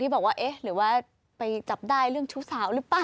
บอกว่าเอ๊ะหรือว่าไปจับได้เรื่องชู้สาวหรือเปล่า